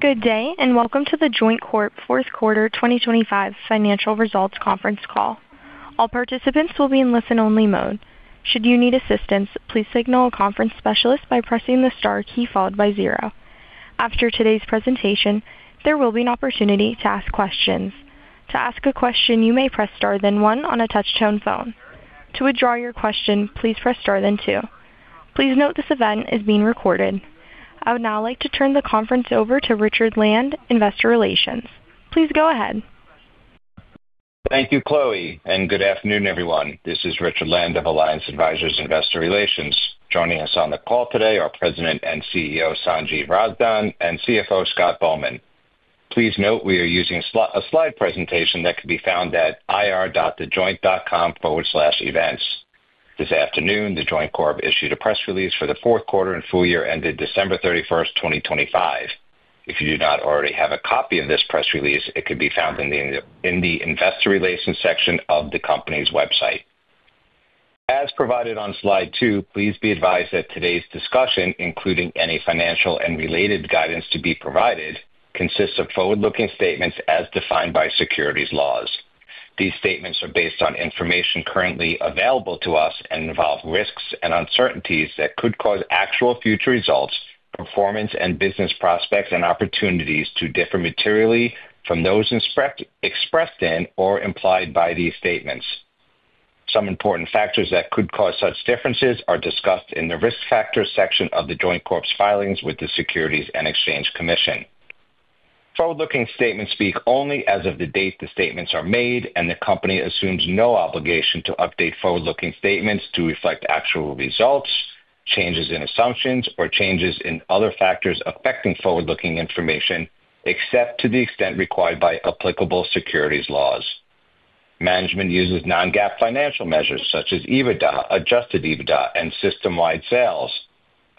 Good day, and welcome to The Joint Corp. Fourth Quarter 2025 Financial Results Conference Call. All participants will be in listen-only mode. Should you need assistance, please signal a conference specialist by pressing the star key followed by zero. After today's presentation, there will be an opportunity to ask questions. To ask a question, you may press star then one on a touch-tone phone. To withdraw your question, please press star then two. Please note this event is being recorded. I would now like to turn the conference over to Richard Land, Investor Relations. Please go ahead. Thank you, Chloe, and good afternoon, everyone. This is Richard Land of Alliance Advisors Investor Relations. Joining us on the call today are President and CEO, Sanjiv Razdan, and CFO, Scott Bowman. Please note we are using a slide presentation that can be found at ir.thejoint.com/events. This afternoon, The Joint Corp. issued a press release for the fourth quarter and full year ended December 31st, 2025. If you do not already have a copy of this press release, it can be found in the investor relations section of the company's website. As provided on slide two, please be advised that today's discussion, including any financial and related guidance to be provided, consists of forward-looking statements as defined by securities laws. These statements are based on information currently available to us and involve risks and uncertainties that could cause actual future results, performance and business prospects and opportunities to differ materially from those expressed in or implied by these statements. Some important factors that could cause such differences are discussed in the Risk Factors section of The Joint Corp.'s filings with the Securities and Exchange Commission. Forward-looking statements speak only as of the date the statements are made, and the company assumes no obligation to update forward-looking statements to reflect actual results, changes in assumptions, or changes in other factors affecting forward-looking information, except to the extent required by applicable securities laws. Management uses non-GAAP financial measures such as EBITDA, adjusted EBITDA, and system-wide sales.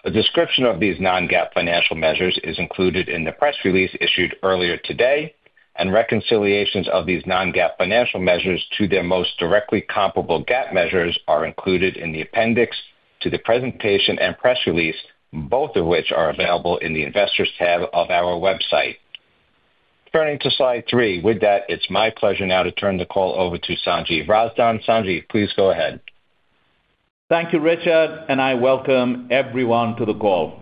A description of these non-GAAP financial measures is included in the press release issued earlier today, and reconciliations of these non-GAAP financial measures to their most directly comparable GAAP measures are included in the appendix to the presentation and press release, both of which are available in the Investors tab of our website. Turning to slide three. With that, it's my pleasure now to turn the call over to Sanjiv Razdan. Sanjiv, please go ahead. Thank you, Richard, and I welcome everyone to the call.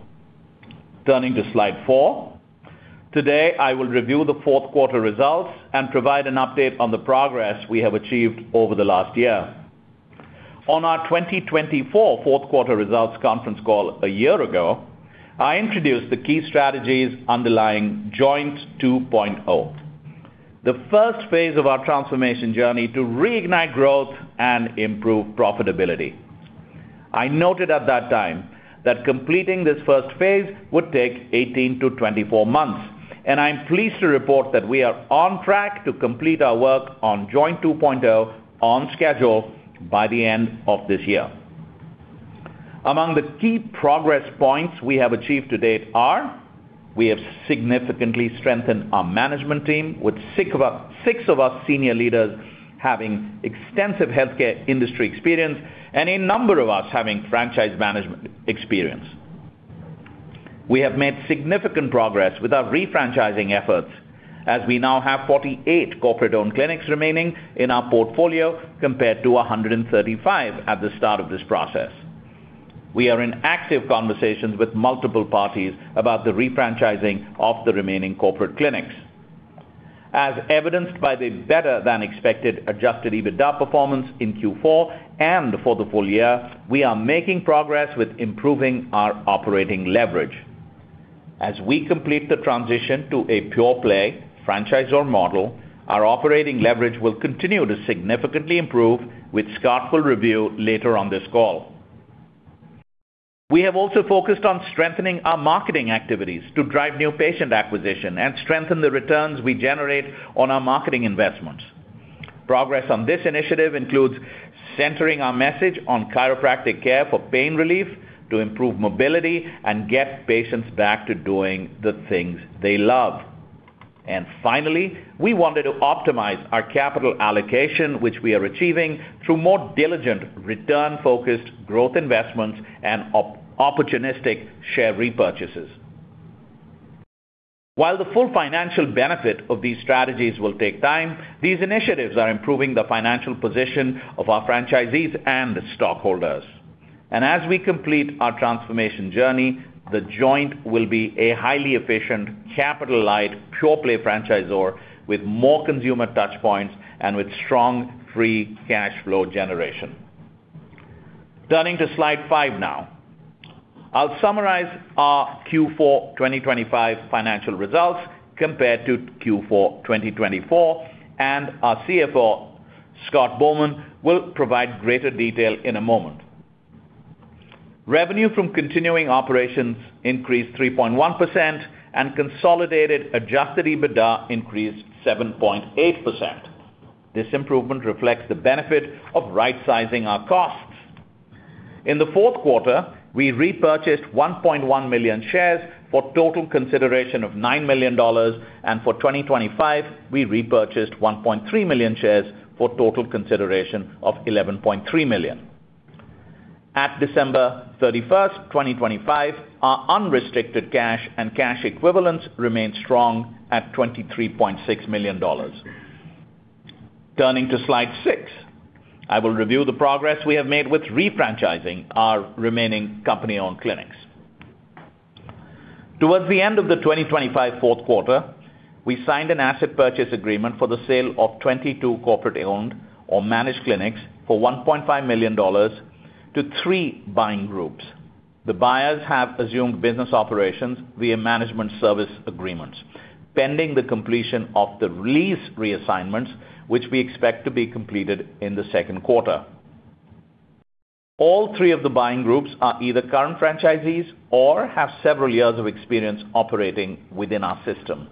Turning to slide four. Today, I will review the fourth quarter results and provide an update on the progress we have achieved over the last year. On our 2024 fourth quarter results conference call a year ago, I introduced the key strategies underlying Joint 2.0, the first phase of our transformation journey to reignite growth and improve profitability. I noted at that time that completing this first phase would take 18-24 months, and I'm pleased to report that we are on track to complete our work on Joint 2.0 on schedule by the end of this year. Among the key progress points we have achieved to date are. We have significantly strengthened our management team with six of our senior leaders having extensive healthcare industry experience and a number of us having franchise management experience. We have made significant progress with our refranchising efforts as we now have 48 corporate-owned clinics remaining in our portfolio compared to 135 at the start of this process. We are in active conversations with multiple parties about the refranchising of the remaining corporate clinics. As evidenced by the better-than-expected adjusted EBITDA performance in Q4 and for the full year, we are making progress with improving our operating leverage. As we complete the transition to a pure-play franchisor model, our operating leverage will continue to significantly improve, which Scott will review later on this call. We have also focused on strengthening our marketing activities to drive new patient acquisition and strengthen the returns we generate on our marketing investments. Progress on this initiative includes centering our message on chiropractic care for pain relief to improve mobility and get patients back to doing the things they love. Finally, we wanted to optimize our capital allocation, which we are achieving through more diligent return-focused growth investments and opportunistic share repurchases. While the full financial benefit of these strategies will take time, these initiatives are improving the financial position of our franchisees and stockholders. As we complete our transformation journey, The Joint will be a highly efficient, capital-light, pure-play franchisor with more consumer touch points and with strong free cash flow generation. Turning to slide five now. I'll summarize our Q4 2025 financial results compared to Q4 2024, and our CFO, Scott Bowman, will provide greater detail in a moment. Revenue from continuing operations increased 3.1%, and consolidated adjusted EBITDA increased 7.8%. This improvement reflects the benefit of rightsizing our costs. In the fourth quarter, we repurchased 1.1 million shares for total consideration of $9 million, and for 2025, we repurchased 1.3 million shares for total consideration of $11.3 million. At December 31st, 2025, our unrestricted cash and cash equivalents remained strong at $23.6 million. Turning to Slide six, I will review the progress we have made with refranchising our remaining company-owned clinics. Towards the end of the 2025 fourth quarter, we signed an asset purchase agreement for the sale of 22 corporate-owned or managed clinics for $1.5 million to three buying groups. The buyers have assumed business operations via management service agreements pending the completion of the lease reassignments, which we expect to be completed in the second quarter. All three of the buying groups are either current franchisees or have several years of experience operating within our system.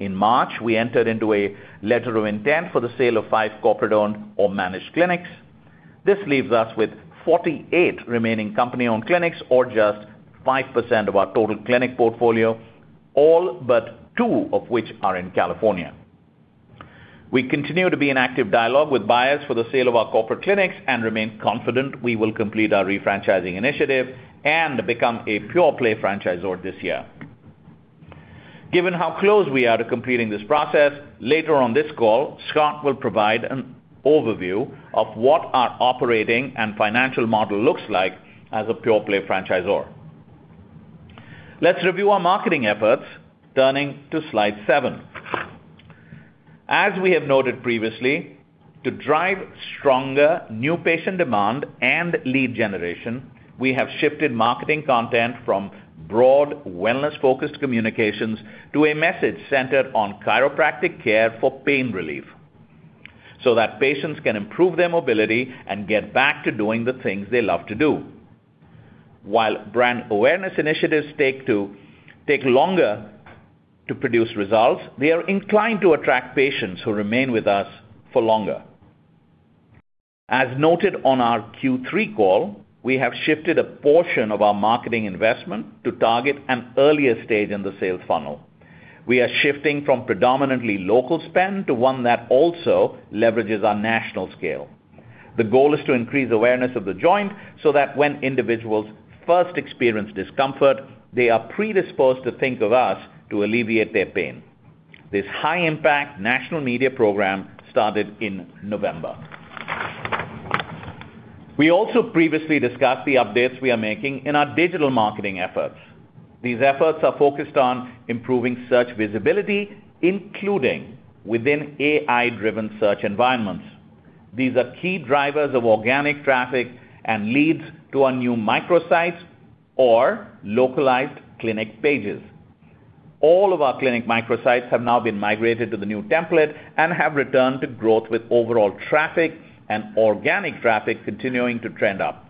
In March, we entered into a letter of intent for the sale of five corporate-owned or managed clinics. This leaves us with 48 remaining company-owned clinics, or just 5% of our total clinic portfolio, all but two of which are in California. We continue to be in active dialogue with buyers for the sale of our corporate clinics and remain confident we will complete our refranchising initiative and become a pure-play franchisor this year. Given how close we are to completing this process, later on this call, Scott will provide an overview of what our operating and financial model looks like as a pure-play franchisor. Let's review our marketing efforts, turning to Slide seven. As we have noted previously, to drive stronger new patient demand and lead generation, we have shifted marketing content from broad wellness-focused communications to a message centered on chiropractic care for pain relief so that patients can improve their mobility and get back to doing the things they love to do. While brand awareness initiatives take longer to produce results, they are inclined to attract patients who remain with us for longer. As noted on our Q3 call, we have shifted a portion of our marketing investment to target an earlier stage in the sales funnel. We are shifting from predominantly local spend to one that also leverages our national scale. The goal is to increase awareness of The Joint so that when individuals first experience discomfort, they are predisposed to think of us to alleviate their pain. This high-impact national media program started in November. We also previously discussed the updates we are making in our digital marketing efforts. These efforts are focused on improving search visibility, including within AI-driven search environments. These are key drivers of organic traffic and leads to our new microsites or localized clinic pages. All of our clinic microsites have now been migrated to the new template and have returned to growth, with overall traffic and organic traffic continuing to trend up.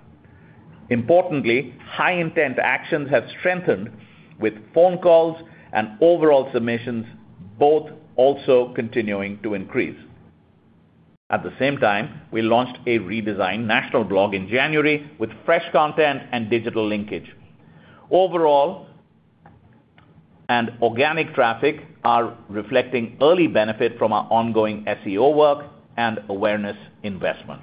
Importantly, high-intent actions have strengthened, with phone calls and overall submissions both also continuing to increase. At the same time, we launched a redesigned national blog in January with fresh content and digital linkage. Overall and organic traffic are reflecting early benefit from our ongoing SEO work and awareness investment.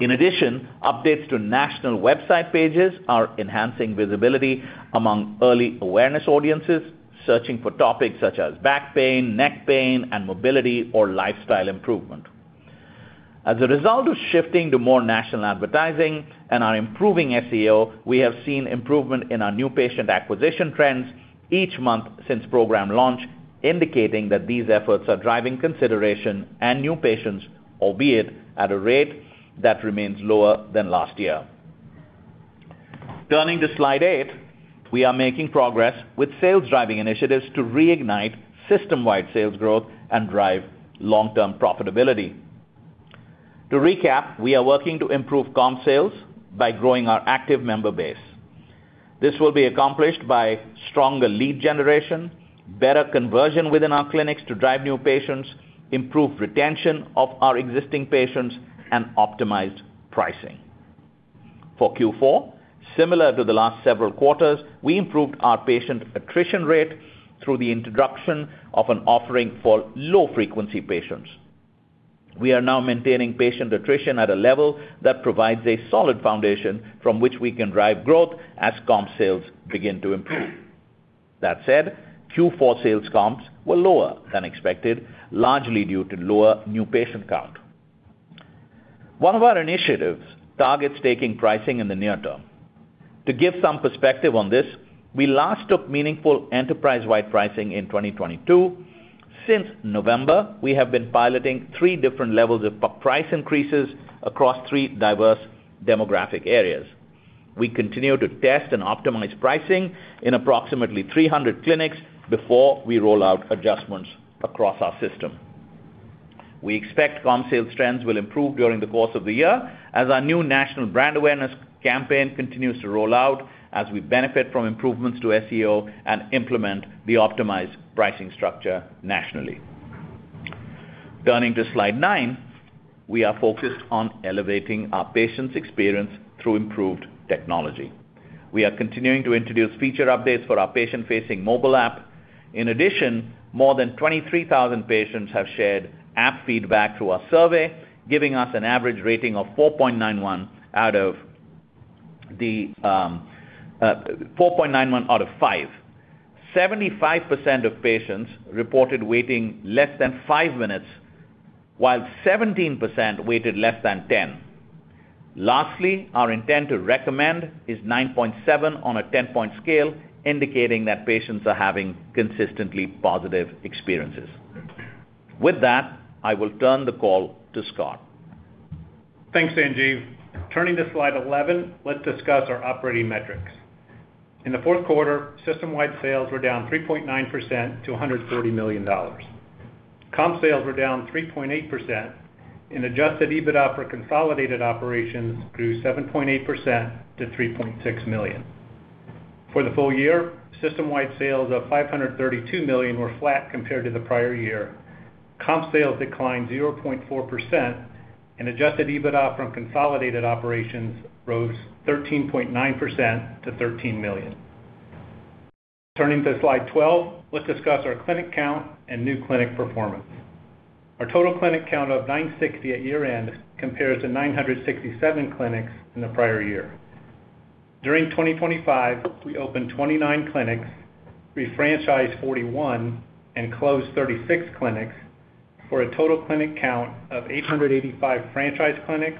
In addition, updates to national website pages are enhancing visibility among early awareness audiences searching for topics such as back pain, neck pain, and mobility or lifestyle improvement. As a result of shifting to more national advertising and our improving SEO, we have seen improvement in our new patient acquisition trends each month since program launch, indicating that these efforts are driving consideration and new patients, albeit at a rate that remains lower than last year. Turning to Slide 8. We are making progress with sales-driving initiatives to reignite system-wide sales growth and drive long-term profitability. To recap, we are working to improve comp sales by growing our active member base. This will be accomplished by stronger lead generation, better conversion within our clinics to drive new patients, improve retention of our existing patients, and optimize pricing. For Q4, similar to the last several quarters, we improved our patient attrition rate through the introduction of an offering for low-frequency patients. We are now maintaining patient attrition at a level that provides a solid foundation from which we can drive growth as comp sales begin to improve. That said, Q4 sales comps were lower than expected, largely due to lower new patient count. One of our initiatives targets taking pricing in the near term. To give some perspective on this, we last took meaningful enterprise-wide pricing in 2022. Since November, we have been piloting three different levels of price increases across three diverse demographic areas. We continue to test and optimize pricing in approximately 300 clinics before we roll out adjustments across our system. We expect comp sales trends will improve during the course of the year as our new national brand awareness campaign continues to roll out as we benefit from improvements to SEO and implement the optimized pricing structure nationally. Turning to Slide nine. We are focused on elevating our patients' experience through improved technology. We are continuing to introduce feature updates for our patient facing mobile app. In addition, more than 23,000 patients have shared app feedback through our survey, giving us an average rating of 4.91 out of 5. 75% of patients reported waiting less than five minutes, while 17% waited less than 10. Lastly, our intent to recommend is 9.7 on a 10-point scale, indicating that patients are having consistently positive experiences. With that, I will turn the call to Scott. Thanks, Sanjiv. Turning to slide 11, let's discuss our operating metrics. In the fourth quarter, system-wide sales were down 3.9% to $130 million. Comp sales were down 3.8% and adjusted EBITDA for consolidated operations grew 7.8% to $3.6 million. For the full year, system-wide sales of $532 million were flat compared to the prior year. Comp sales declined 0.4% and adjusted EBITDA from consolidated operations rose 13.9% to $13 million. Turning to slide 12, let's discuss our clinic count and new clinic performance. Our total clinic count of 960 at year-end compares to 967 clinics in the prior year. During 2025, we opened 29 clinics, refranchised 41 and closed 36 clinics for a total clinic count of 885 franchise clinics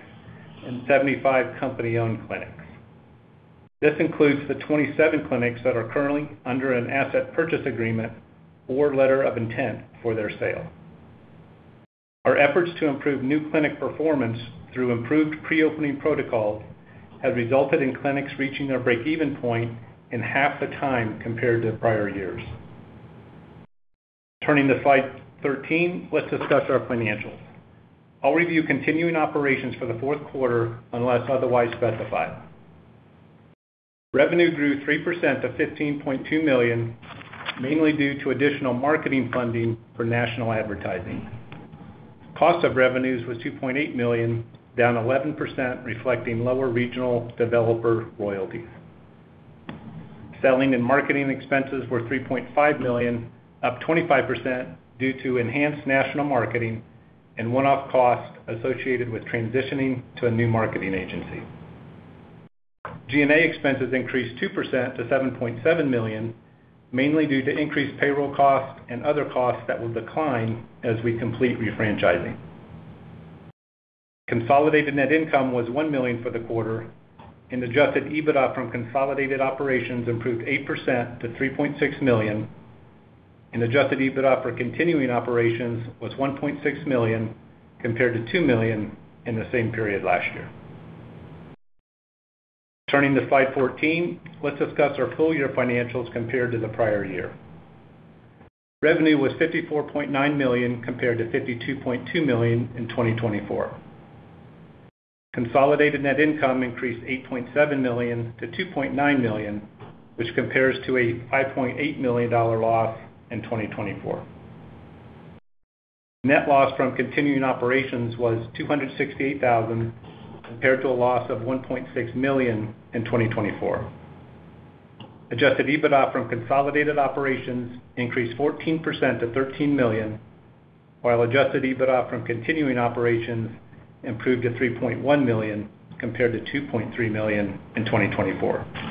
and 75 company-owned clinics. This includes the 27 clinics that are currently under an asset purchase agreement or letter of intent for their sale. Our efforts to improve new clinic performance through improved pre-opening protocol have resulted in clinics reaching their break-even point in half the time compared to prior years. Turning to slide 13, let's discuss our financials. I'll review continuing operations for the fourth quarter unless otherwise specified. Revenue grew 3% to $15.2 million, mainly due to additional marketing funding for national advertising. Cost of revenues was $2.8 million, down 11% reflecting lower regional developer royalties. Selling and marketing expenses were $3.5 million, up 25% due to enhanced national marketing and one-off costs associated with transitioning to a new marketing agency. G&A expenses increased 2% to $7.7 million, mainly due to increased payroll costs and other costs that will decline as we complete refranchising. Consolidated net income was $1 million for the quarter and adjusted EBITDA from consolidated operations improved 8% to $3.6 million and adjusted EBITDA for continuing operations was $1.6 million compared to $2 million in the same period last year. Turning to slide 14, let's discuss our full year financials compared to the prior year. Revenue was $54.9 million compared to $52.2 million in 2024. Consolidated net income increased $8.7 million to $2.9 million, which compares to a $5.8 million loss in 2024. Net loss from continuing operations was $268,000 compared to a loss of $1.6 million in 2024. Adjusted EBITDA from consolidated operations increased 14% to $13 million, while adjusted EBITDA from continuing operations improved to $3.1 million compared to $2.3 million in 2024.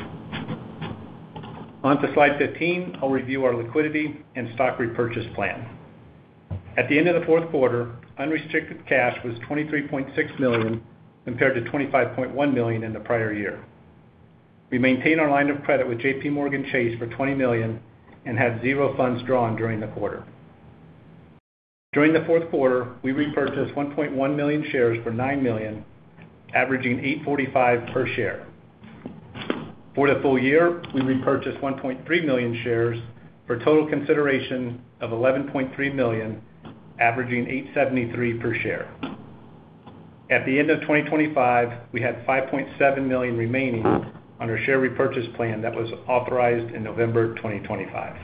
On to slide 15, I'll review our liquidity and stock repurchase plan. At the end of the fourth quarter, unrestricted cash was $23.6 million compared to $25.1 million in the prior year. We maintained our line of credit with JPMorgan Chase for $20 million and had zero funds drawn during the quarter. During the fourth quarter, we repurchased 1.1 million shares for $9 million, averaging $8.45 per share. For the full year, we repurchased 1.3 million shares for a total consideration of $11.3 million, averaging $8.73 per share. At the end of 2025, we had 5.7 million remaining under share repurchase plan that was authorized in November 2025.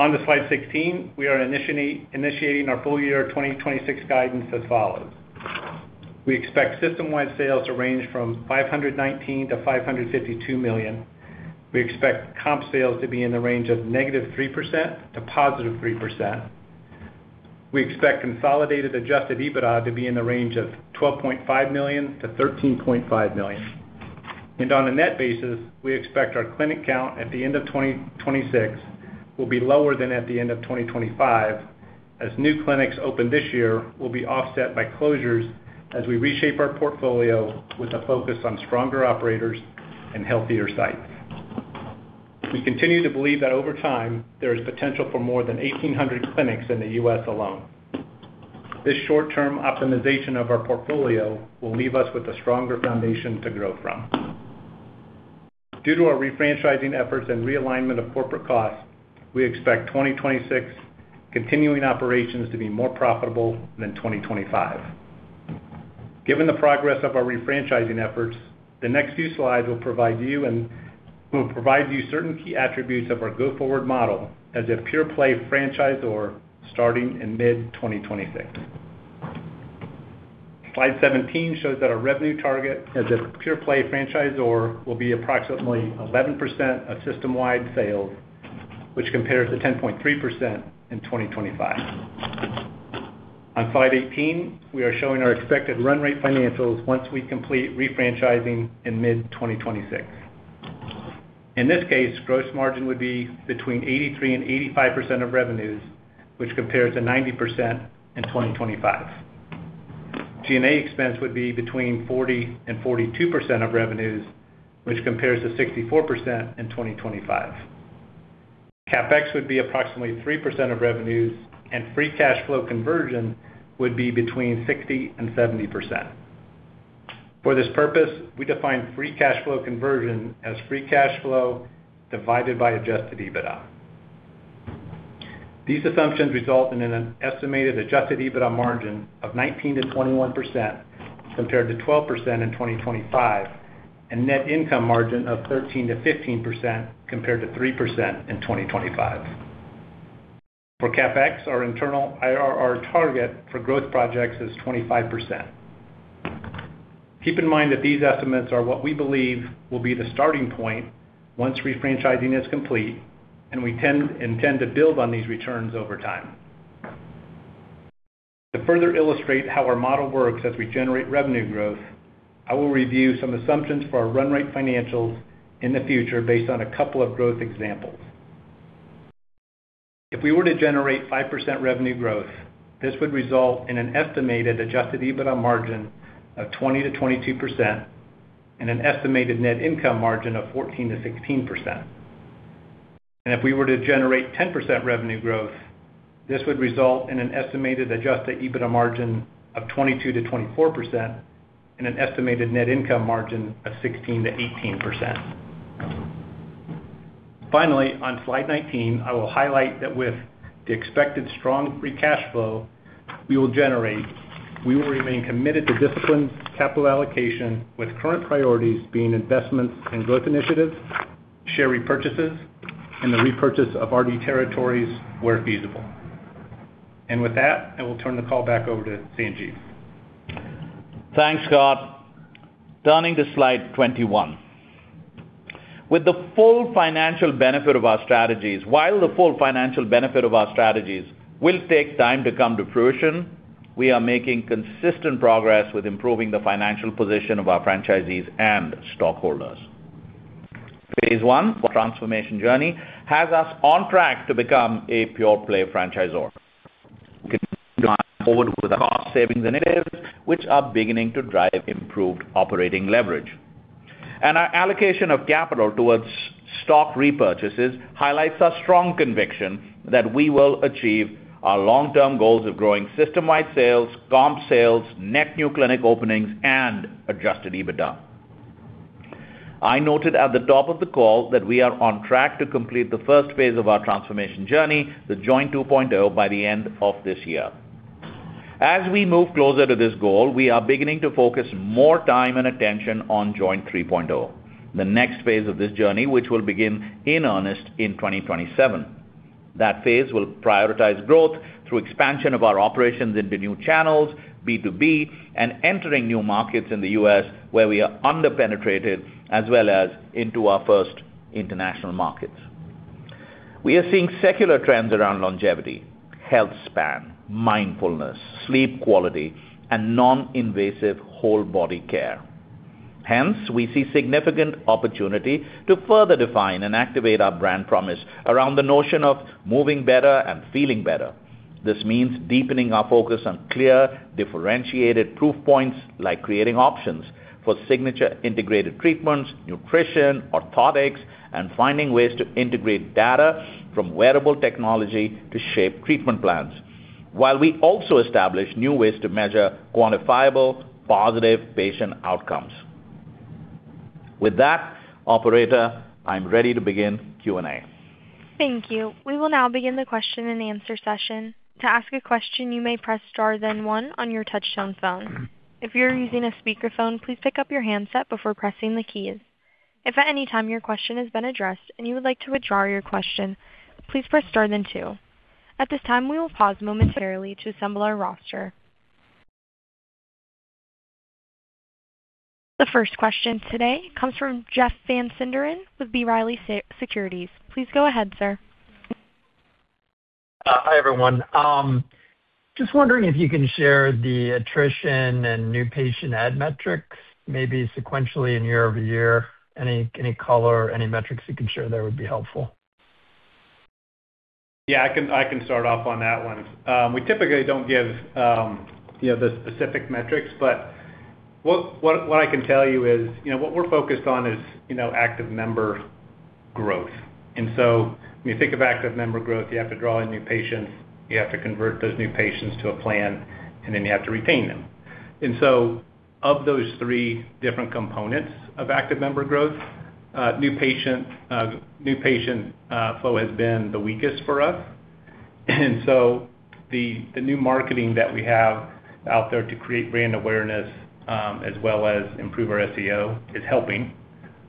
On to slide 16, we are initiating our full year 2026 guidance as follows. We expect system-wide sales to range from $519 million-$552 million. We expect comp sales to be in the range of -3% to 3%. We expect consolidated adjusted EBITDA to be in the range of $12.5 million-$13.5 million. On a net basis, we expect our clinic count at the end of 2026 will be lower than at the end of 2025, as new clinics open this year will be offset by closures as we reshape our portfolio with a focus on stronger operators and healthier sites. We continue to believe that over time, there is potential for more than 1,800 clinics in the U.S. alone. This short-term optimization of our portfolio will leave us with a stronger foundation to grow from. Due to our refranchising efforts and realignment of corporate costs, we expect 2026 continuing operations to be more profitable than 2025. Given the progress of our refranchising efforts, the next few slides will provide you certain key attributes of our go-forward model as a pure-play franchisor starting in mid-2026. Slide 17 shows that our revenue target as a pure play franchisor will be approximately 11% of system-wide sales, which compares to 10.3% in 2025. On Slide 18, we are showing our expected run rate financials once we complete refranchising in mid-2026. In this case, gross margin would be between 83% and 85% of revenues, which compares to 90% in 2025. G&A expense would be between 40% and 42% of revenues, which compares to 64% in 2025. CapEx would be approximately 3% of revenues, and free cash flow conversion would be between 60% and 70%. For this purpose, we define free cash flow conversion as free cash flow divided by adjusted EBITDA. These assumptions result in an estimated adjusted EBITDA margin of 19%-21% compared to 12% in 2025, and net income margin of 13%-15% compared to 3% in 2025. For CapEx, our internal IRR target for growth projects is 25%. Keep in mind that these estimates are what we believe will be the starting point once refranchising is complete, and we intend to build on these returns over time. To further illustrate how our model works as we generate revenue growth, I will review some assumptions for our run rate financials in the future based on a couple of growth examples. If we were to generate 5% revenue growth, this would result in an estimated adjusted EBITDA margin of 20%-22% and an estimated net income margin of 14%-16%. If we were to generate 10% revenue growth, this would result in an estimated adjusted EBITDA margin of 22%-24% and an estimated net income margin of 16%-18%. Finally, on slide 19, I will highlight that with the expected strong free cash flow we will generate, we will remain committed to disciplined capital allocation, with current priorities being investments in growth initiatives, share repurchases, and the repurchase of RD territories where feasible. With that, I will turn the call back over to Sanjiv. Thanks, Scott. Turning to slide 21. While the full financial benefit of our strategies will take time to come to fruition, we are making consistent progress with improving the financial position of our franchisees and stockholders. Phase one for transformation journey has us on track to become a pure play franchisor. We continue to move forward with our cost savings initiatives, which are beginning to drive improved operating leverage. Our allocation of capital towards stock repurchases highlights our strong conviction that we will achieve our long-term goals of growing system-wide sales, comp sales, net new clinic openings, and adjusted EBITDA. I noted at the top of the call that we are on track to complete the first phase of our transformation journey, The Joint 2.0, by the end of this year. As we move closer to this goal, we are beginning to focus more time and attention on Joint 3.0, the next phase of this journey, which will begin in earnest in 2027. That phase will prioritize growth through expansion of our operations into new channels, B2B, and entering new markets in the U.S. where we are under-penetrated as well as into our first international markets. We are seeing secular trends around longevity, health span, mindfulness, sleep quality, and non-invasive whole body care. Hence, we see significant opportunity to further define and activate our brand promise around the notion of moving better and feeling better. This means deepening our focus on clear, differentiated proof points like creating options for signature integrated treatments, nutrition, orthotics, and finding ways to integrate data from wearable technology to shape treatment plans. While we also establish new ways to measure quantifiable, positive patient outcomes. With that, operator, I'm ready to begin Q&A. Thank you. We will now begin the question-and-answer session. To ask a question, you may press star then one on your touchtone phone. If you are using a speakerphone, please pick up your handset before pressing the keys. If at any time your question has been addressed and you would like to withdraw your question, please press star then two. At this time, we will pause momentarily to assemble our roster. The first question today comes from Jeff Van Sinderen with B. Riley Securities. Please go ahead, sir. Hi, everyone. Just wondering if you can share the attrition and new patient add metrics, maybe sequentially and year-over-year. Any color, any metrics you can share there would be helpful. Yeah, I can start off on that one. We typically don't give, you know, the specific metrics, but what I can tell you is, you know, what we're focused on is, you know, active member growth. When you think of active member growth, you have to draw in new patients, you have to convert those new patients to a plan, and then you have to retain them. Of those three different components of active member growth, new patient flow has been the weakest for us. The new marketing that we have out there to create brand awareness, as well as improve our SEO is helping,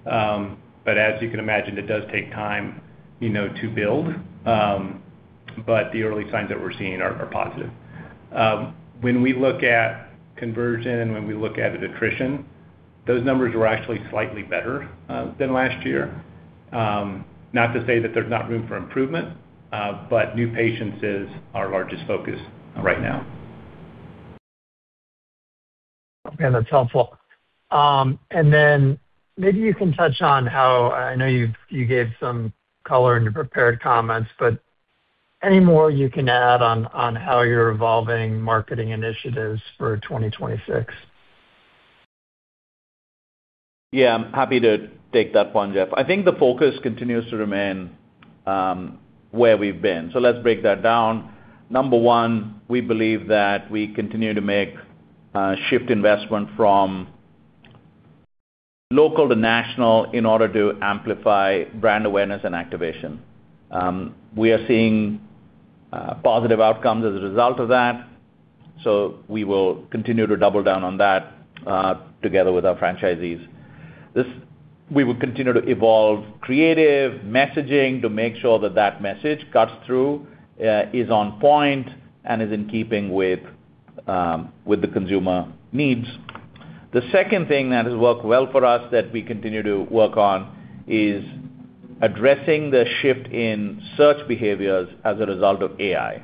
but as you can imagine, it does take time, you know, to build. The early signs that we're seeing are positive. When we look at conversion, when we look at attrition, those numbers were actually slightly better than last year. Not to say that there's not room for improvement, but new patients is our largest focus right now. Okay. That's helpful. Maybe you can touch on how, I know you gave some color in your prepared comments, but any more you can add on how you're evolving marketing initiatives for 2026? Yeah. I'm happy to take that one, Jeff. I think the focus continues to remain where we've been. Let's break that down. Number one, we believe that we continue to make shift investment from local to national in order to amplify brand awareness and activation. We are seeing positive outcomes as a result of that, so we will continue to double down on that together with our franchisees. We will continue to evolve creative messaging to make sure that that message cuts through, is on point, and is in keeping with the consumer needs. The second thing that has worked well for us that we continue to work on is addressing the shift in search behaviors as a result of AI.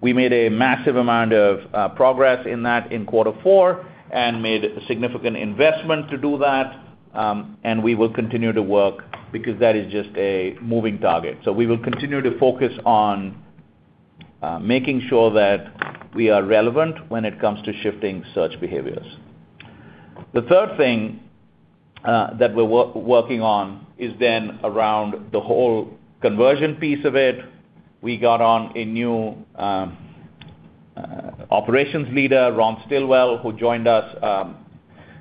We made a massive amount of progress in that in quarter four and made a significant investment to do that, and we will continue to work because that is just a moving target. We will continue to focus on making sure that we are relevant when it comes to shifting search behaviors. The third thing that we're working on is then around the whole conversion piece of it. We got a new operations leader, Ron Stilwell, who joined us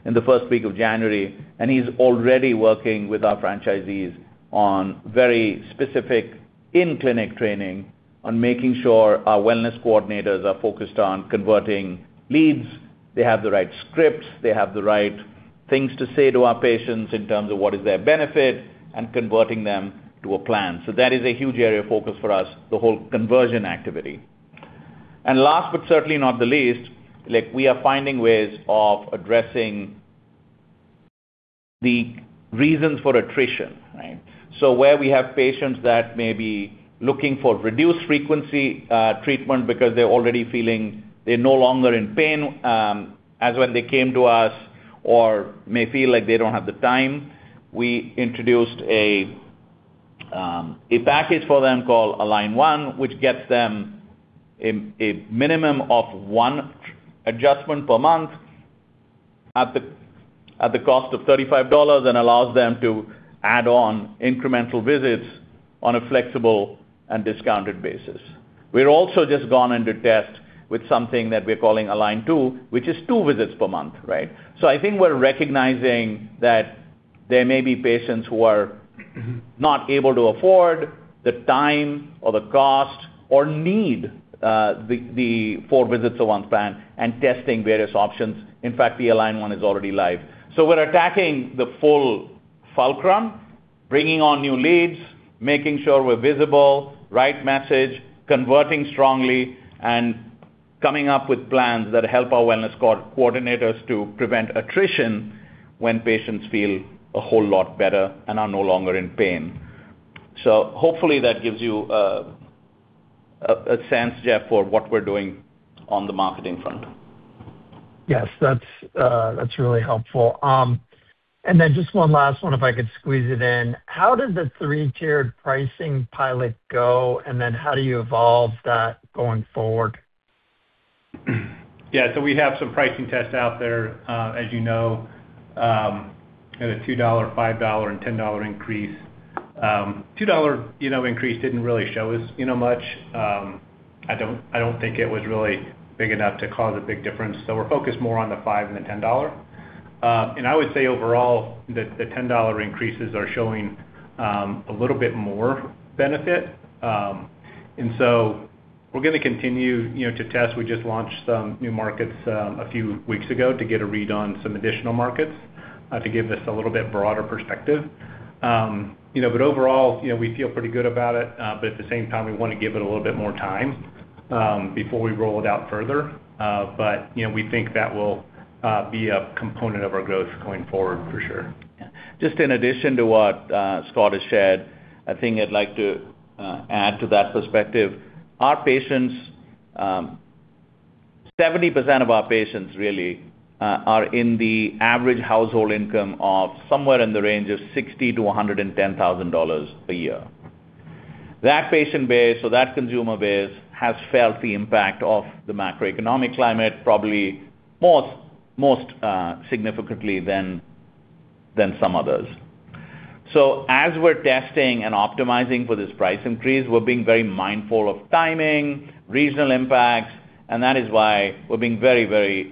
in the first week of January, and he's already working with our franchisees on very specific in-clinic training on making sure our Wellness Coordinator are focused on converting leads. They have the right scripts, they have the right things to say to our patients in terms of what is their benefit and converting them to a plan. That is a huge area of focus for us, the whole conversion activity. Last but certainly not the least, like, we are finding ways of addressing the reasons for attrition, right? Where we have patients that may be looking for reduced frequency, treatment because they're already feeling they're no longer in pain, as when they came to us or may feel like they don't have the time, we introduced a package for them called Align One, which gets them a minimum of one adjustment per month at the cost of $35 and allows them to add on incremental visits on a flexible and discounted basis. We're also just gone under test with something that we're calling Align Two, which is two visits per month, right? I think we're recognizing that there may be patients who are not able to afford the time or the cost or need the four visits a month plan and testing various options. In fact, the Align One is already live. We're attacking the full funnel, bringing on new leads, making sure we're visible, right message, converting strongly, and coming up with plans that help our wellness coordinators to prevent attrition when patients feel a whole lot better and are no longer in pain. Hopefully that gives you a sense, Jeff, for what we're doing on the marketing front. Yes. That's really helpful. Just one last one if I could squeeze it in. How did the three-tiered pricing pilot go, and then how do you evolve that going forward? Yeah. We have some pricing tests out there, as you know, at a $2, $5 and $10 increase. $2, you know, increase didn't really show us, you know, much. I don't think it was really big enough to cause a big difference, so we're focused more on the $5 and the $10. I would say overall that the $10 increases are showing a little bit more benefit. We're gonna continue, you know, to test. We just launched some new markets a few weeks ago to get a read on some additional markets to give this a little bit broader perspective. You know, but overall, you know, we feel pretty good about it. at the same time, we wanna give it a little bit more time before we roll it out further. You know, we think that will be a component of our growth going forward for sure. Just in addition to what Scott has shared, a thing I'd like to add to that perspective, our patients, 70% of our patients really are in the average household income of somewhere in the range of $60,000-$110,000 a year. That patient base or that consumer base has felt the impact of the macroeconomic climate probably most significantly than some others. As we're testing and optimizing for this price increase, we're being very mindful of timing, regional impacts, and that is why we're being very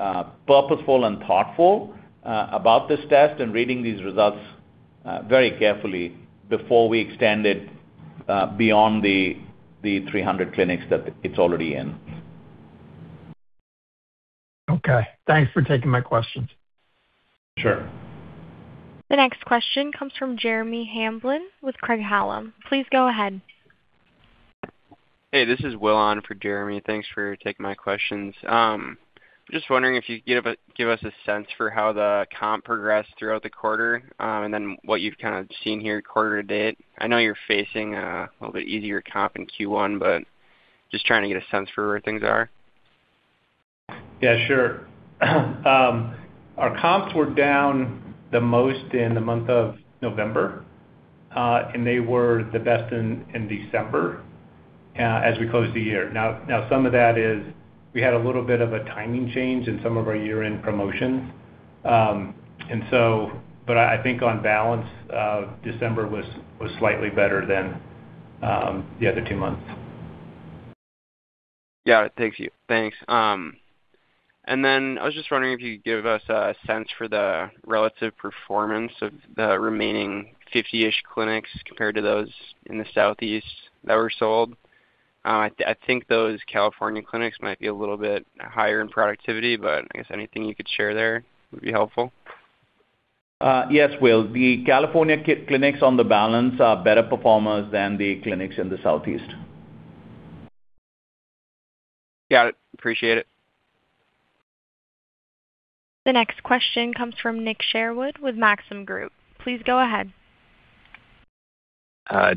purposeful and thoughtful about this test and reading these results very carefully before we extend it beyond the 300 clinics that it's already in. Okay. Thanks for taking my questions. Sure. The next question comes from Jeremy Hamblin with Craig-Hallum. Please go ahead. Hey, this is Will on for Jeremy. Thanks for taking my questions. Just wondering if you could give us a sense for how the comp progressed throughout the quarter, and then what you've kind of seen here quarter to date. I know you're facing a little bit easier comp in Q1, but just trying to get a sense for where things are. Yeah, sure. Our comps were down the most in the month of November, and they were the best in December as we closed the year. Now some of that is we had a little bit of a timing change in some of our year-end promotions. But I think on balance, December was slightly better than the other two months. Got it. Thank you. Thanks. I was just wondering if you could give us a sense for the relative performance of the remaining 50-ish clinics compared to those in the southeast that were sold. I think those California clinics might be a little bit higher in productivity, but I guess anything you could share there would be helpful. Yes, Will. The California clinics on balance are better performers than the clinics in the Southeast. Got it. Appreciate it. The next question comes from Nicholas Sherwood with Maxim Group. Please go ahead.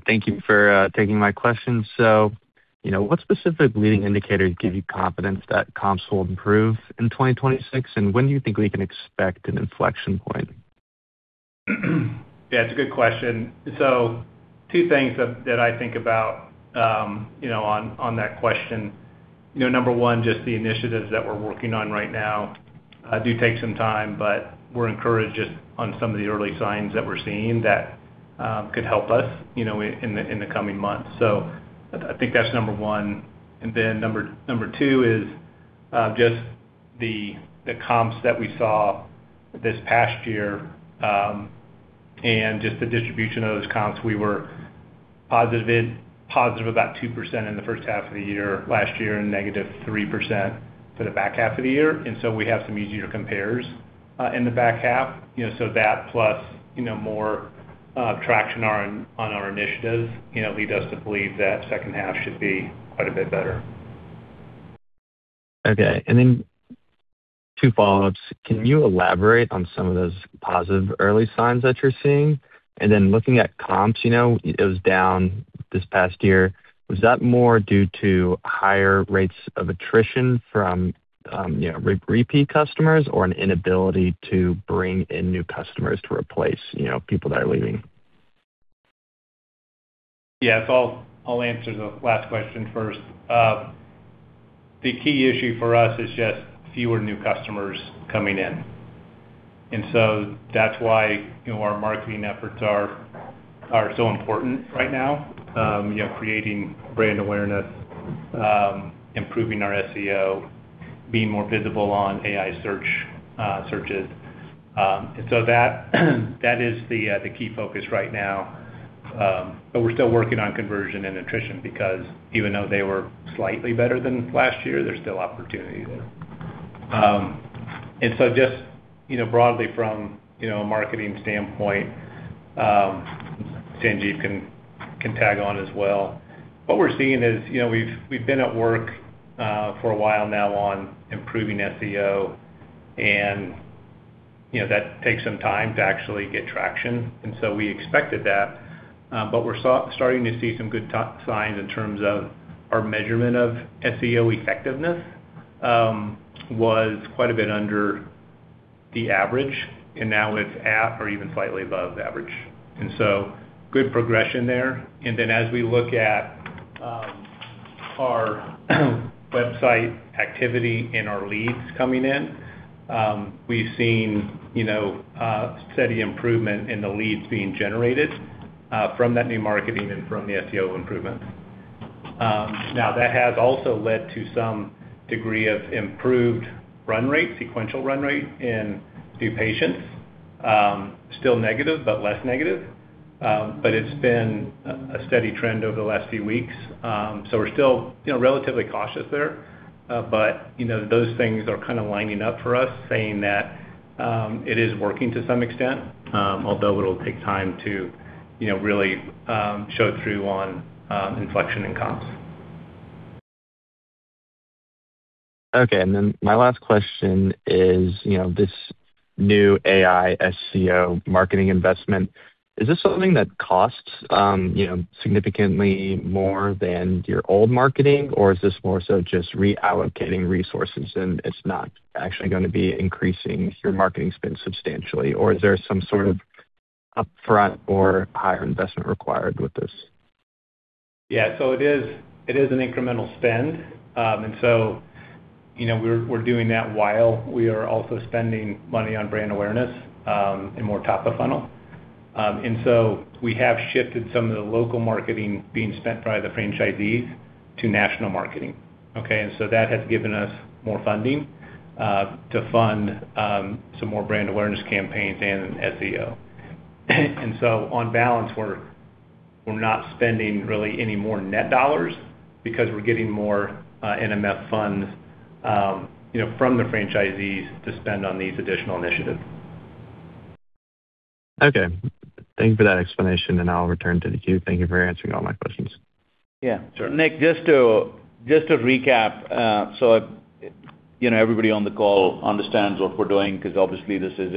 Thank you for taking my question. You know, what specific leading indicators give you confidence that comps will improve in 2026? When do you think we can expect an inflection point? Yeah, it's a good question. Two things that I think about, you know, on that question. You know, number one, just the initiatives that we're working on right now do take some time, but we're encouraged just on some of the early signs that we're seeing that could help us, you know, in the coming months. I think that's number one. Then number two is just the comps that we saw this past year and just the distribution of those comps. We were positive about 2% in the first half of the year last year and negative 3% for the back half of the year. We have some easier compares in the back half. You know, that plus, you know, more traction on our initiatives, you know, lead us to believe that second half should be quite a bit better. Okay. Two follow-ups. Can you elaborate on some of those positive early signs that you're seeing? Looking at comps, you know, it was down this past year. Was that more due to higher rates of attrition from, you know, repeat customers or an inability to bring in new customers to replace, you know, people that are leaving? Yeah. So I'll answer the last question first. The key issue for us is just fewer new customers coming in. That's why, you know, our marketing efforts are so important right now. You know, creating brand awareness, improving our SEO, being more visible on AI search, searches. That is the key focus right now. We're still working on conversion and attrition because even though they were slightly better than last year, there's still opportunity there. Just, you know, broadly from, you know, a marketing standpoint, Sanjiv can tag on as well. What we're seeing is, you know, we've been at work for a while now on improving SEO, and, you know, that takes some time to actually get traction, and so we expected that. We're starting to see some good signs in terms of our measurement of SEO effectiveness was quite a bit under the average, and now it's at or even slightly above average. Good progression there. As we look at our website activity and our leads coming in, we've seen, you know, steady improvement in the leads being generated from that new marketing and from the SEO improvements. Now that has also led to some degree of improved run rate, sequential run rate in new patients. Still negative, but less negative. It's been a steady trend over the last few weeks. We're still, you know, relatively cautious there. You know, those things are kinda lining up for us saying that it is working to some extent, although it'll take time to, you know, really show through on inflection in comps. Okay. My last question is, you know, this new AI SEO marketing investment, is this something that costs, you know, significantly more than your old marketing, or is this more so just reallocating resources and it's not actually gonna be increasing your marketing spend substantially? Or is there some sort of upfront or higher investment required with this? Yeah. It is an incremental spend. You know, we're doing that while we are also spending money on brand awareness and more top of funnel. We have shifted some of the local marketing being spent by the franchisees to national marketing, okay? That has given us more funding to fund some more brand awareness campaigns and SEO. On balance, we're not spending really any more net dollars because we're getting more NMF funds, you know, from the franchisees to spend on these additional initiatives. Okay. Thank you for that explanation, and I'll return to the queue. Thank you for answering all my questions. Yeah. Sure. Nick, just to recap, so, you know, everybody on the call understands what we're doing because obviously this is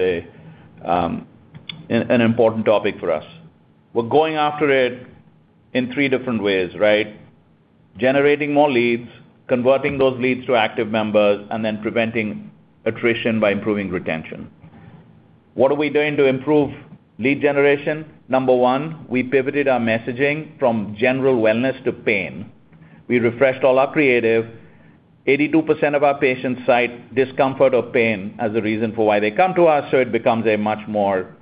an important topic for us. We're going after it in three different ways, right? Generating more leads, converting those leads to active members, and then preventing attrition by improving retention. What are we doing to improve lead generation? Number one, we pivoted our messaging from general wellness to pain. We refreshed all our creative. 82% of our patients cite discomfort or pain as a reason for why they come to us, so it becomes a much more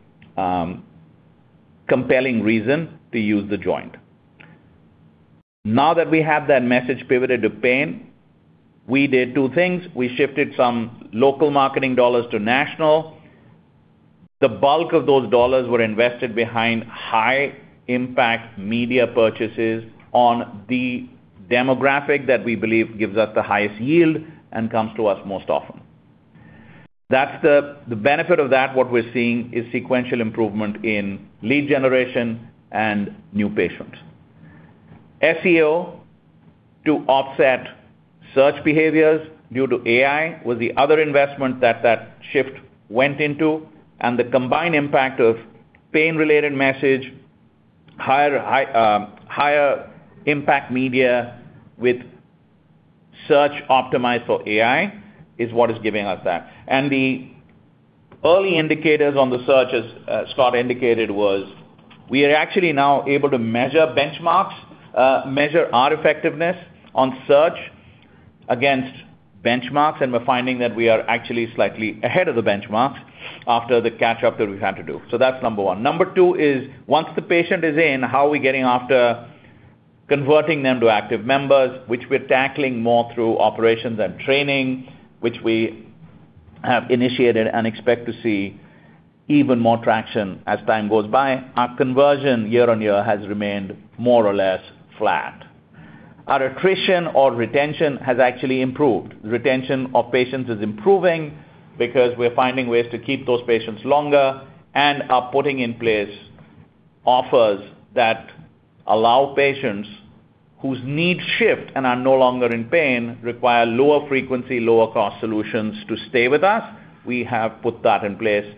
compelling reason to use The Joint. Now that we have that message pivoted to pain, we did two things. We shifted some local marketing dollars to national. The bulk of those dollars were invested behind high impact media purchases on the demographic that we believe gives us the highest yield and comes to us most often. That's the benefit of that, what we're seeing, is sequential improvement in lead generation and new patients. SEO to offset search behaviors due to AI was the other investment that shift went into, and the combined impact of pain-related message, higher impact media with search optimized for AI is what is giving us that. The early indicators on the searches, Scott indicated was we are actually now able to measure benchmarks, measure our effectiveness on search against benchmarks, and we're finding that we are actually slightly ahead of the benchmarks after the catch-up that we've had to do. That's number one. Number 2 is once the patient is in, how are we getting after converting them to active members, which we're tackling more through operations and training, which we have initiated and expect to see even more traction as time goes by. Our conversion year-on-year has remained more or less flat. Our attrition or retention has actually improved. Retention of patients is improving because we're finding ways to keep those patients longer and are putting in place offers that allow patients whose needs shift and are no longer in pain require lower frequency, lower cost solutions to stay with us. We have put that in place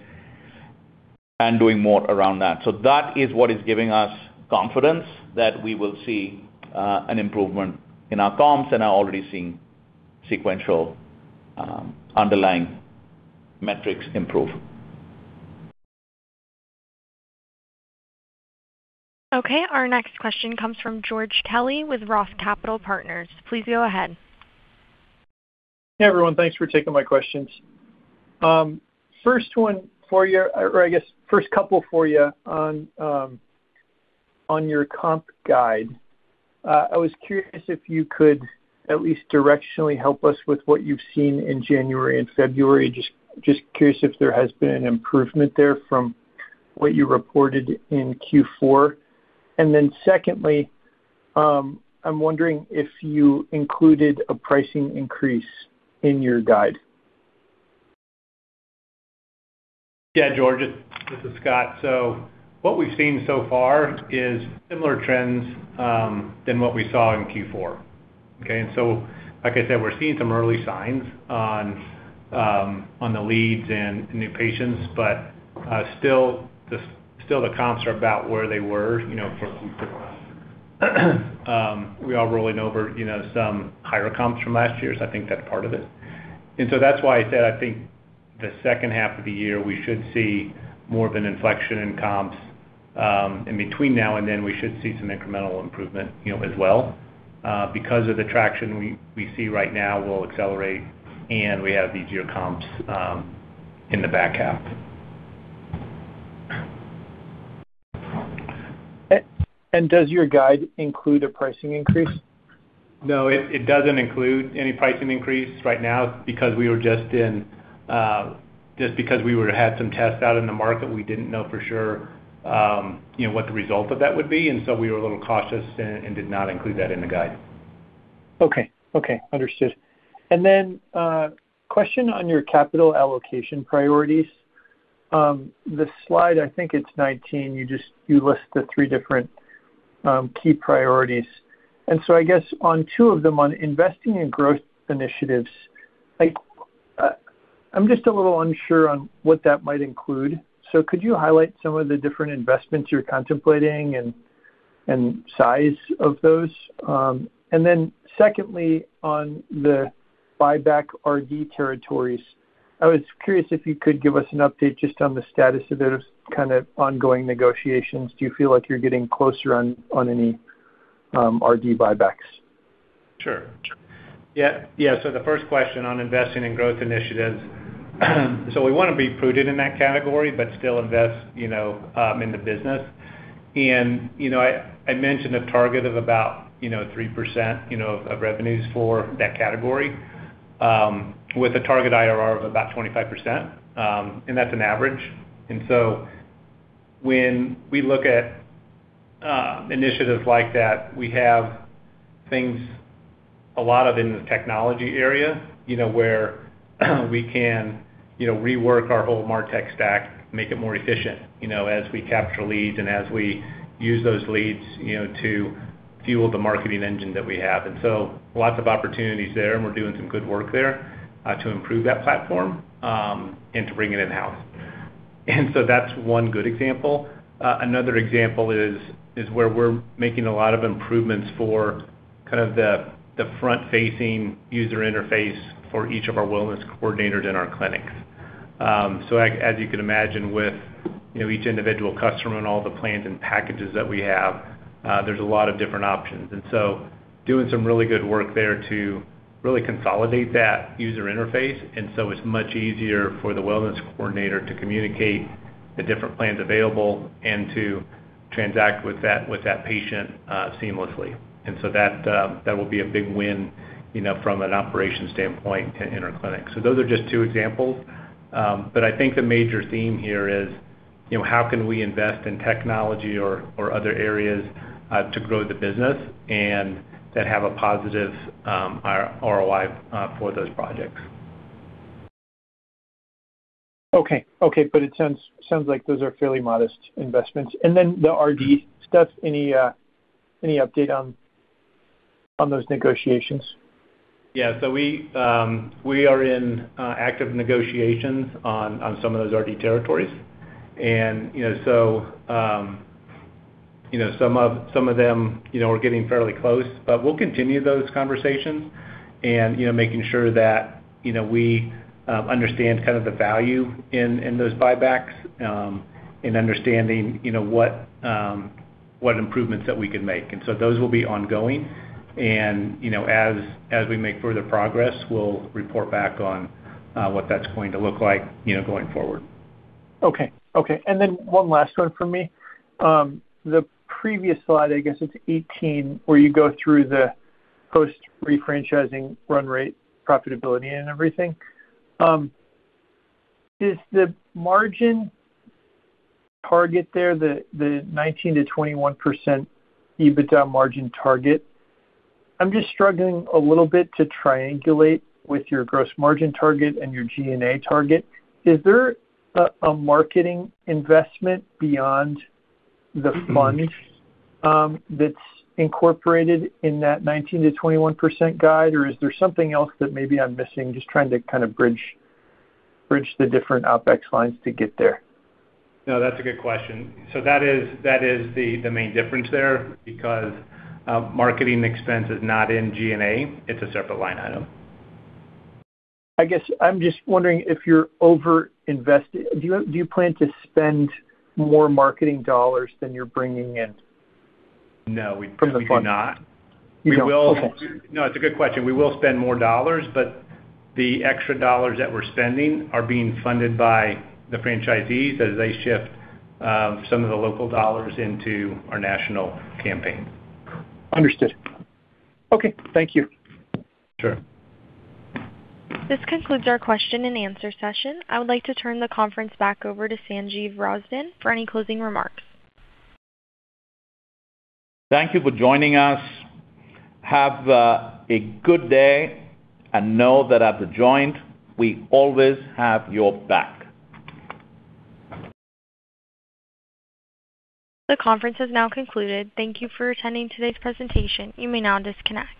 and doing more around that. That is what is giving us confidence that we will see an improvement in our comps and are already seeing sequential underlying metrics improve. Okay. Our next question comes from George Kelly with Roth Capital Partners. Please go ahead. Hey, everyone. Thanks for taking my questions. First one for you, or I guess first couple for you on your comp guide. I was curious if you could at least directionally help us with what you've seen in January and February. Just curious if there has been an improvement there from what you reported in Q4. Then secondly, I'm wondering if you included a pricing increase in your guide. Yeah, George, this is Scott. What we've seen so far is similar trends than what we saw in Q4. Okay. Like I said, we're seeing some early signs on the leads and new patients, but still the comps are about where they were, you know, for we are rolling over, you know, some higher comps from last year, so I think that's part of it. That's why I said I think the second half of the year, we should see more of an inflection in comps. In between now and then, we should see some incremental improvement, you know, as well. Because of the traction we see right now will accelerate, and we have easier comps in the back half. Does your guide include a pricing increase? No, it doesn't include any pricing increase right now because we just had some tests out in the market. We didn't know for sure, you know, what the result of that would be, and so we were a little cautious and did not include that in the guide. Okay. Understood. Question on your capital allocation priorities. The slide, I think it's 19, you list the three different key priorities. I guess on two of them, on investing in growth initiatives, I'm just a little unsure on what that might include. Could you highlight some of the different investments you're contemplating and size of those? Secondly, on the buyback RD territories, I was curious if you could give us an update just on the status of those kind of ongoing negotiations. Do you feel like you're getting closer on any RD buybacks? Sure. Yeah. The first question on investing in growth initiatives. We wanna be prudent in that category, but still invest, you know, in the business. You know, I mentioned a target of about, you know, 3% of revenues for that category. With a target IRR of about 25%, and that's an average. When we look at initiatives like that, we have a lot of things in the technology area, you know, where we can, you know, rework our whole martech stack, make it more efficient, you know, as we capture leads and as we use those leads, you know, to fuel the marketing engine that we have. Lots of opportunities there, and we're doing some good work there to improve that platform and to bring it in-house. That's one good example. Another example is where we're making a lot of improvements for kind of the front-facing user interface for each of our Wellness Coordinators in our clinics. As you can imagine with, you know, each individual customer and all the plans and packages that we have, there's a lot of different options. Doing some really good work there to really consolidate that user interface, and so it's much easier for the Wellness Coordinator to communicate the different plans available and to transact with that patient seamlessly. That will be a big win, you know, from an operations standpoint in our clinics. Those are just two examples. I think the major theme here is, you know, how can we invest in technology or other areas to grow the business and that have a positive ROI for those projects. Okay. It sounds like those are fairly modest investments. The R&D stuff, any update on those negotiations? Yeah. We are in active negotiations on some of those RD territories. You know, some of them are getting fairly close. We'll continue those conversations and you know, making sure that you know, we understand kind of the value in those buybacks in understanding you know, what improvements that we can make. Those will be ongoing. You know, as we make further progress, we'll report back on what that's going to look like you know, going forward. Okay. Okay. One last one from me. The previous slide, I guess it's 18, where you go through the post-refranchising run rate profitability and everything. Is the margin target there, the 19%-21% EBITDA margin target. I'm just struggling a little bit to triangulate with your gross margin target and your G&A target. Is there a marketing investment beyond the funds that's incorporated in that 19%-21% guide, or is there something else that maybe I'm missing? Just trying to kind of bridge the different OpEx lines to get there. No, that's a good question. That is the main difference there because marketing expense is not in G&A. It's a separate line item. I guess I'm just wondering if you plan to spend more marketing dollars than you're bringing in? No, we do not. You don't. Okay. No, it's a good question. We will spend more dollars, but the extra dollars that we're spending are being funded by the franchisees as they shift some of the local dollars into our national campaign. Understood. Okay. Thank you. Sure. This concludes our question-and-answer session. I would like to turn the conference back over to Sanjiv Razdan for any closing remarks. Thank you for joining us. Have a good day, and know that at The Joint, we always have your back. The conference has now concluded. Thank you for attending today's presentation. You may now disconnect.